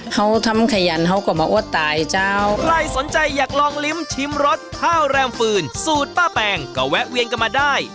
เขาทำขยันเขาก็มาอดตายเจ้าใครสนใจอยากลองลิ้มชิมรสข้าวแรมฟืนสูตรป้าแปงก็แวะเวียนกันมาได้